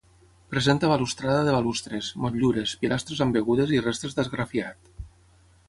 Presenta balustrada de balustres, motllures, pilastres embegudes i restes d'esgrafiat.